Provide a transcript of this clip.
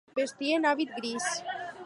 Vestien hàbit gris.